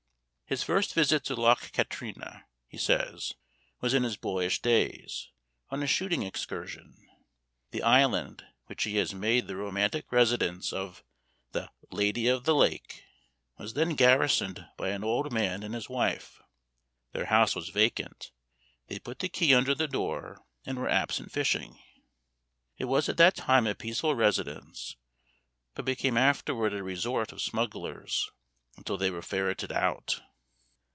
His first visit to Loch Katrine, he says, was in his boyish days, on a shooting excursion. The island, which he has made the romantic residence of the "Lady of the Lake," was then garrisoned by an old man and his wife. Their house was vacant; they had put the key under the door, and were absent fishing. It was at that time a peaceful residence, but became afterward a resort of smugglers, until they were ferreted out.